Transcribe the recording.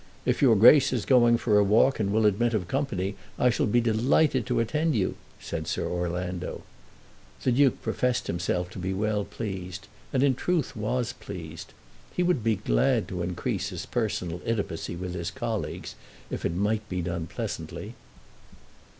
"If your Grace is going for a walk, and will admit of company, I shall be delighted to attend you," said Sir Orlando. The Duke professed himself to be well pleased, and in truth was pleased. He would be glad to increase his personal intimacy with his colleagues if it might be done pleasantly.